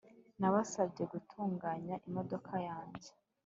nabasabye gutunganya imodoka yanjye